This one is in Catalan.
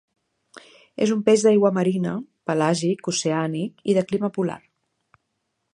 És un peix d'aigua marina, pelàgic-oceànic i de clima polar.